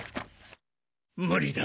無理だ